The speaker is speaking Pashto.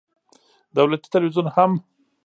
دولتي ټلویزیون هم